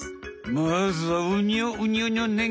まずはウニョウニョのねん